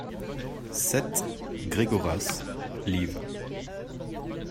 sept Gregoras, liv.